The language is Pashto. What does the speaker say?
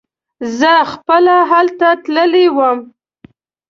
زه خپله هلته تللی وم.